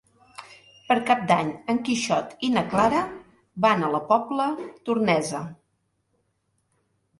Per Cap d'Any en Quixot i na Clara van a la Pobla Tornesa.